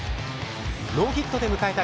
ノーヒットで迎えた